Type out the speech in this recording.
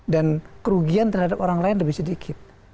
dan kerugian terhadap orang lain lebih sedikit